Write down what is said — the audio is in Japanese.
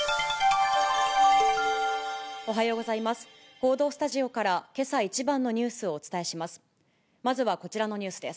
報道スタジオから、けさ一番のニュースをお伝えします。